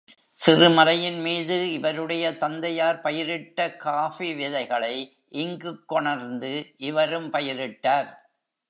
சிறுமலையின்மீது இவருடைய தந்தையார் பயிரிட்ட காஃபி விதைகளை இங்குக் கொணர்ந்து இவரும் பயிரிட்டார்.